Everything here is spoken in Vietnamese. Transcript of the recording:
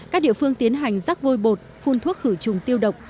các địa phương tiến hành rắc vôi bột phun thuốc khử trùng tiêu độc